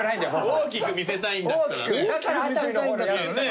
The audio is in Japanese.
大きく見せたいんだったらね。